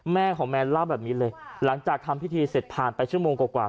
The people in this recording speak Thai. แม่ของแมนเล่าแบบนี้เลยหลังจากทำพิธีเสร็จผ่านไปชั่วโมงกว่า